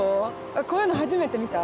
こういうの初めて見た？